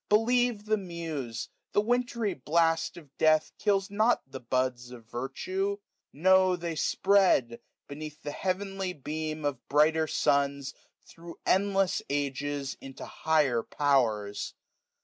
580 Believe the Muse ; the wintry blast of death Kills not the buds of virtue ; no, they spread. Beneath the heavenly beam of brighter suns. Thro' endless ages, into higher powers.